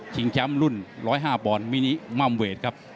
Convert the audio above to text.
ชิงแชมป์รุ่น๑๐๕บอลมินิม่ำเวทครับ